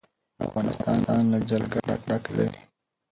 افغانستان له جلګه ډک دی.